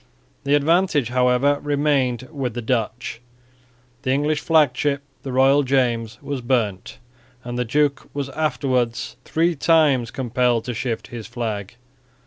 The advantage, however, remained with the Dutch. The English flag ship, the Royal James, was burnt; and the duke was afterwards three times compelled to shift his flag.